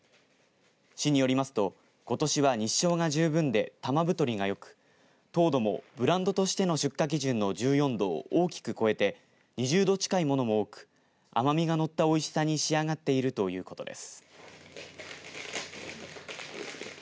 市によりますと、ことしは日照が十分で玉太りがよく糖度もブランドとしての出荷基準の１４度を大きく超えて２０度近いものも多く甘みが乗ったおいしさに仕上がっているということです。